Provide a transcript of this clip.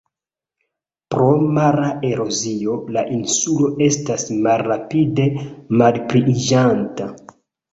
Pro mara erozio, la insulo estas malrapide malpliiĝanta.